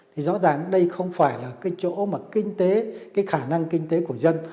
thì rõ ràng đây không phải là cái chỗ mà kinh tế cái khả năng kinh tế của dân